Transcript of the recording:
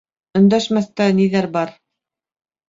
- Өндәшмәҫтә ниҙәр бар?